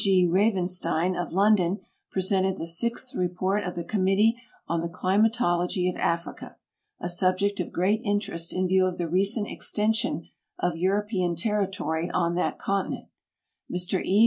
G. Raven stein, of London, presented the sixth report of the Committee on the Climatology of Africa, a subject of great interest in view of the recent extension of European territory on that continent ; Mr E.